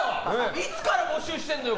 いつから募集してんのよ